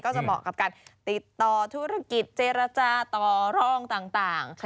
ก็จะกรับการติดต่อธุรกิจเจรจาตอร่องต่าง